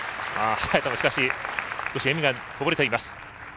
早田も、しかし少し笑みがこぼれています。